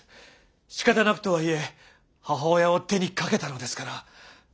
しかたなくとはいえ母親を手にかけたのですから。